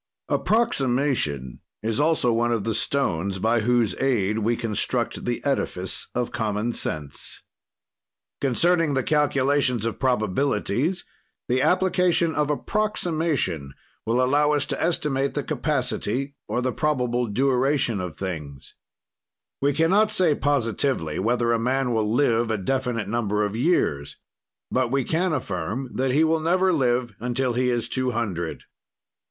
"Approximation is also one of the stones by whose aid we construct the edifice of common sense. "Concerning the calculations of probabilities, the application of approximation will allow us to estimate the capacity or the probable duration of things. "We can not say positively whether a man will live a definite number of years but we can affirm that he will never live until he is two hundred.